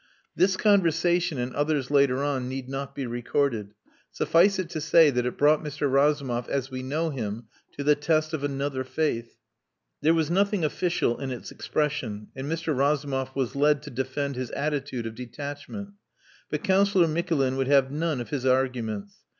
This conversation (and others later on) need not be recorded. Suffice it to say that it brought Mr. Razumov as we know him to the test of another faith. There was nothing official in its expression, and Mr. Razumov was led to defend his attitude of detachment. But Councillor Mikulin would have none of his arguments.